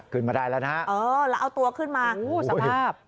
ขึ้นมาได้แล้วนะฮะเออแล้วเอาตัวขึ้นมาสภาพ